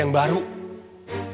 yang lebih rajin